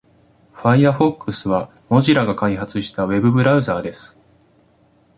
Firefox は Mozilla が開発したウェブブラウザーです。